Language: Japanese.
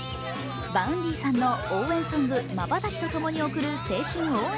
Ｖａｕｎｄｙさんの応援ソング「ｍａｂａｔａｋｉ」とともに送る青春応援